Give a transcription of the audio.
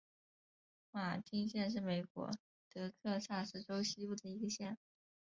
马丁县是美国德克萨斯州西部的一个县。